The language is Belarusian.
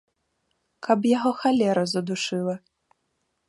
Каб яго халера задушыла!